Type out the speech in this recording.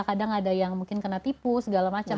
kadang ada yang mungkin kena tipu segala macam